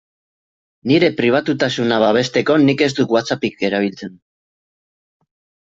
Nire pribatutasuna babesteko nik ez dut WhatsAppik erabiltzen.